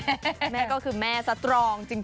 แม่ก็คือแม่สตรองจริง